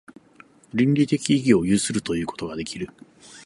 倫理的意義を有するということができる。